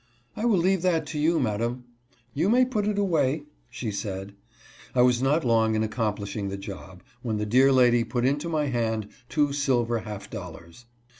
" I will leave that to you, madam." " You may put it away," she said. I was, not long in accomplishing the job, when the deartlTaay put into my hand two silver half dollars.